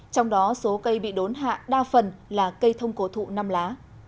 trong đó số cây bị đốn hạ đa phần là cây thông cổ thụ năm lá